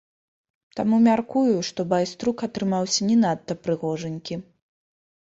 Таму мяркую, што байструк атрымаўся не надта прыгожанькі.